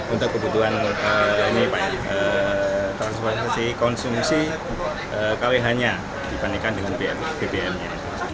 untuk kebutuhan konsumsi kali hanya dibandingkan dengan bbm nya